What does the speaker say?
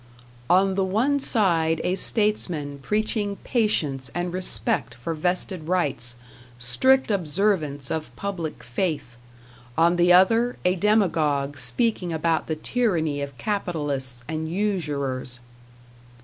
"On the one side a statesman preaching patience and respect for vested rights, strict observance of public faith; on the other a demagog speaking about the tyranny of capitalists and usurers."